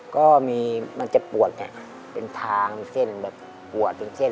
ก็มีมันจะปวดเป็นทางเส้นแบบปวดเป็นเส้น